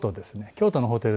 京都のホテルで。